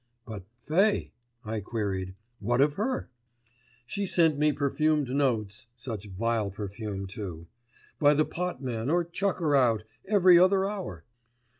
"But Fay?" I queried. "What of her?" "She sent me perfumed notes (such vile perfume too) by the potman or chucker out every other hour.